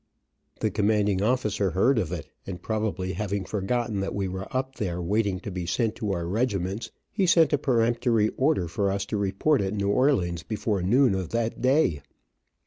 The commanding officer heard of it, and, probably having forgotten that we were up there waiting to be sent to our regiments he sent a peremptory order for us to report at New Orleans before noon of that day.